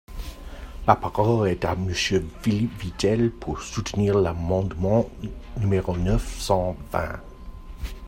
La parole est à Monsieur Philippe Vitel, pour soutenir l’amendement numéro neuf cent vingt.